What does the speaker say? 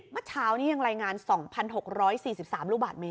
เมื่อเช้านี้ยังรายงาน๒๖๔๓ลูกบาทเมต